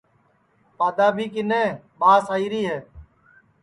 پادؔا بھی کِنے ٻاس آئیری ہے